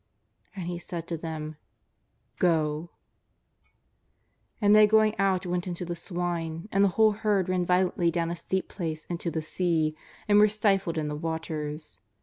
And He said to them :'' Go !" And they going out went into the swine, and the whole herd ran violently down a steep place into the sea and were stifled in the waters.